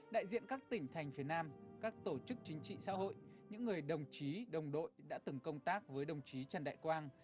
đại diện các tỉnh thành phía nam các tổ chức chính trị xã hội những người đồng chí đồng đội đã từng công tác với đồng chí trần đại quang